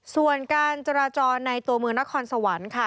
ส่วนการจราจรในตัวเมืองนครสวรรค์ค่ะ